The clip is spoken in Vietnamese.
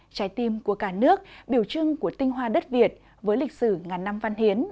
trái tim của cả nước biểu trưng của tinh hoa đất việt với lịch sử ngàn năm văn hiến